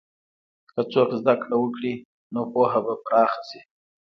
که څوک زده کړه وکړي، نو پوهه به پراخه شي.